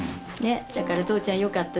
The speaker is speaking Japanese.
だから父ちゃんよかった。